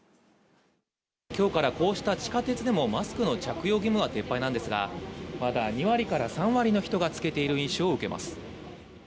今日からこうした地下鉄でもマスクの着用義務は撤廃ですが、まだ２割から３割の人がつけている印象を受けます。